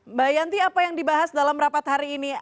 mbak yanti apa yang dibahas dalam rapat hari ini